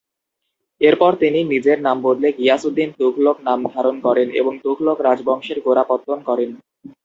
এরপর তিনি নিজের নাম বদলে গিয়াস উদ্দিন তুঘলক নাম ধারণ করেন এবং তুঘলক রাজবংশের গোড়াপত্তন করেন।